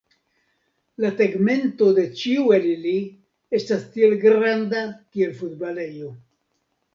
La tegmento de ĉiu el ili estas tiel granda kiel futbalejo.